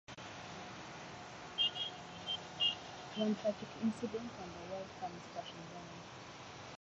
One tragic incident and his world comes crashing down.